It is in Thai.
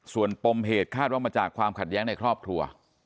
ส่วนปมเหตุคาดว่ามาจากความขัดแย้งในครอบครัว